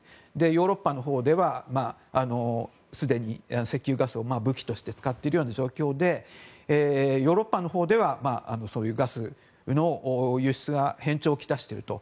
ヨーロッパのほうではすでに石油ガスを武器として使っているような状況でヨーロッパのほうではそういうガスの輸出が変調をきたしていると。